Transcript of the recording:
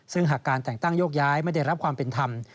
ซึ่งหากการแต่งตั้งโยกย้ายไม่ได้รับความเป็นธรรม